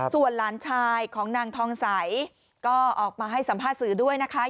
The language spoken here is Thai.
ส่วนหลานชายของนางทองใสก็ออกมาให้สัมภาษณ์สื่อด้วยนะคะ